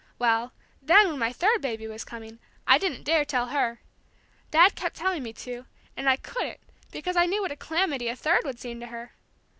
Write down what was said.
Well, then when my third baby was coming, I didn't dare tell her. Dad kept telling me to, and I couldn't, because I knew what a calamity a third would seem to her!